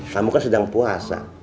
kamu kan sedang puasa